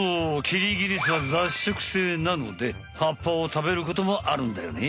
キリギリスは雑食性なので葉っぱをたべることもあるんだよね。